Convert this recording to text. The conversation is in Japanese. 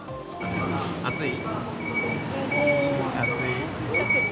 暑い？